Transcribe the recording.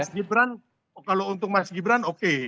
mas gibran kalau untuk mas gibran oke